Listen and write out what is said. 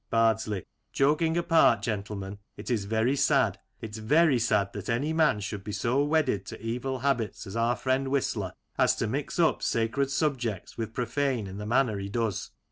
Bardsley : Joking apart, gentlemen, it's very sad, it's very sad, that any man should be so wedded to evil habits as our friend Whistler, as to mix up sacred subjects with profane in the manner he does.